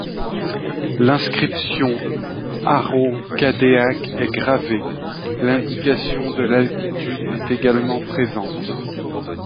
L'inscription Arreau-Cadéac est gravée, l'indication de l'altitude est également présente.